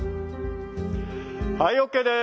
はいＯＫです。